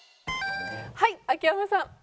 はい秋山さん。